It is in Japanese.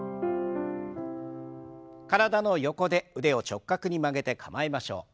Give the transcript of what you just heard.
体の横で腕を直角に曲げて構えましょう。